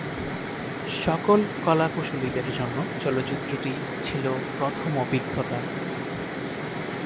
সকল কলাকুশলীদের জন্য চলচ্চিত্রটি ছিল প্রথম অভিজ্ঞতা।